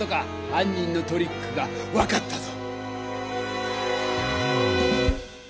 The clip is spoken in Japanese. はん人のトリックが分かったぞ！